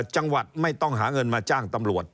จังหวัดไม่ต้องหาเงินมาจ้างตำรวจ